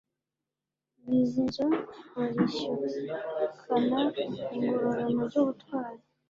Bizinzo barishyukana Ingororano z'ubutwari